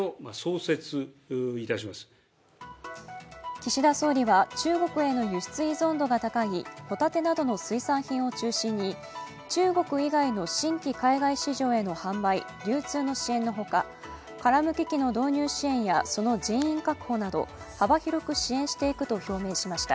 岸田総理は中国への輸出依存度が高いホタテなどの水産品を中心に中国以外の新規海外市場への販売流通の支援のほか殻むき機の導入支援やその人員確保など幅広く支援していくと表明しました。